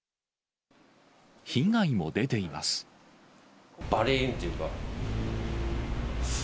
被害も出ています。